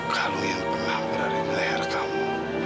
kalo yang pernah menarik leher kamu